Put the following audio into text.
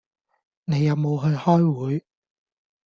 你有冇去開會